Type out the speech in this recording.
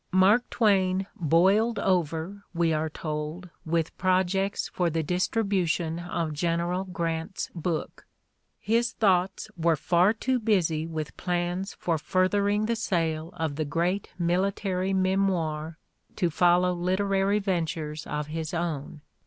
Mark Twain "boiled over," we are told, with projects for the distribution of General Grant's book: "his thoughts were far too busy with plans for furthering the sale of the great military memoir to follow literary ven tures of his own.